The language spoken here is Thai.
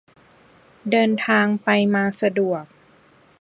เดินทางไปมาสะดวก